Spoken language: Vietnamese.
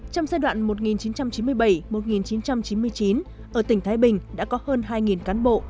trong giai đoạn một nghìn chín trăm chín mươi bảy một nghìn chín trăm chín mươi chín ở tỉnh thái bình đã có hơn hai cán bộ